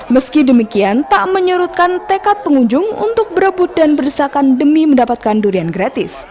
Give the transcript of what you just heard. meski demikian tak menyerutkan tekad pengunjung untuk berebut dan berdesakan demi mendapatkan durian gratis